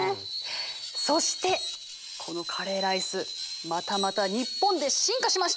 そしてこのカレーライスまたまた日本で進化しました！